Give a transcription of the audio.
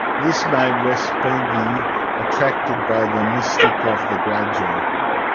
This made Respighi attracted by the mystic of the gradual.